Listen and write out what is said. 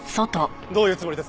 どういうつもりですか？